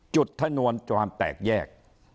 จุดถ้านวลจะทำแตกแยก